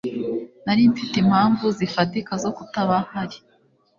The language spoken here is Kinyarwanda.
Nari mfite impamvu zifatika zo kutaba ahari.